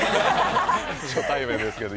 初対面ですけど。